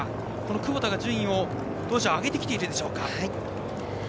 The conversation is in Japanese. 窪田が順位を上げてきているでしょうか。